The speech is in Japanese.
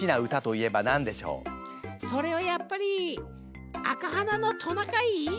それはやっぱり「赤鼻のトナカイ」？